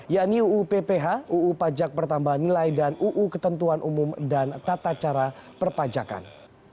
yakni uu pph uu pajak pertambahan nilai dan uu ketentuan umum dan tata cara perpajakan